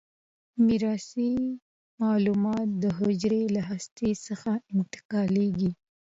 میراثي معلومات د حجره له هسته څخه انتقال کیږي.